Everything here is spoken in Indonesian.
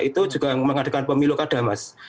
itu juga mengadakan pemilu kadamas